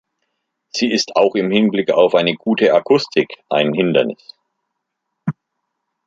Sie ist auch im Hinblick auf eine gute Akustik ein Hindernis.